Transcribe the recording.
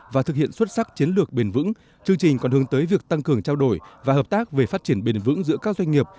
và thực hiện xuất sắc chiến lược bền vững chương trình còn hướng tới việc tăng cường trao đổi và hợp tác về phát triển bền vững giữa các doanh nghiệp